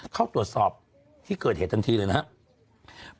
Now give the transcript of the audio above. เข้าตรวจสอบที่เกิดเหตุทันทีเลยนะครับ